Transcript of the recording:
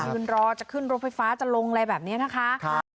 ยืนรอจะขึ้นรถไฟฟ้าจะลงอะไรแบบนี้นะคะ